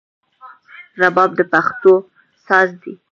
رباب د پښتو ساز دی